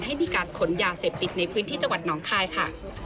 ให้มีการขนยาเสพติดในพื้นที่จังหวัดหนองคายค่ะ